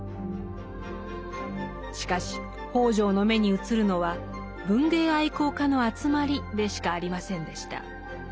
しかし北條の眼に映るのは「文芸愛好家の集まり」でしかありませんでした。